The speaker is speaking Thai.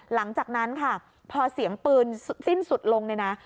หลังจากนั้นค่ะพอเสียงปืนสิ้นสุดลงเนี่ยนะ